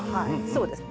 そうです。